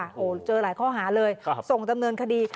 โอ้โหเจอหลายข้อหาเลยส่งดำเนินคดี